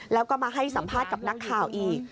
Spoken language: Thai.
แล้วก็มาให้สัมภาษณ์กับนักข่าวอีก